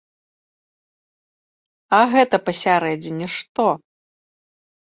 А гэта пасярэдзіне што?